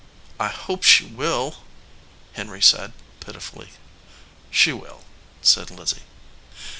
"I hope she will," Henry said, pitifully. "She will," said Lizzie.